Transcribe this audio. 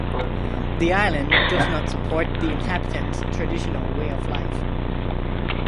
The island does not support the inhabitants' traditional way of life.